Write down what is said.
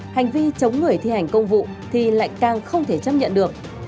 hành vi chống người thi hành công vụ thì lại càng không thể chấp nhận được